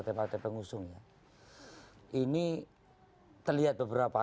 tugas alat bukti itu mungkin mend 's w karenaplaying mpvthey design yg pugk oddara